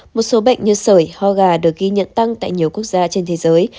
một số bệnh như sởi ho gà được ghi nhận tăng tại nhiều quốc gia trên thế giới